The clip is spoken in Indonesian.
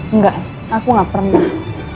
enggak aku gak pernah